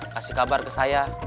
kasih kabar ke saya